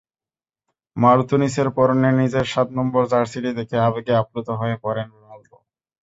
মার্তুনিসের পরনে নিজের সাত নম্বর জার্সিটি দেখে আবেগে আপ্লুত হয়ে পড়েন রোনালদো।